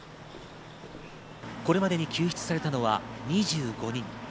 これまでに救出されたのは２５人。